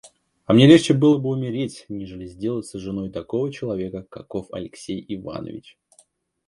А мне легче было бы умереть, нежели сделаться женою такого человека, каков Алексей Иванович.